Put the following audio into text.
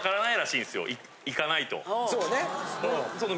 そうね。